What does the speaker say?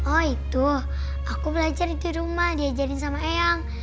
oh itu aku belajar di rumah diajarin sama eyang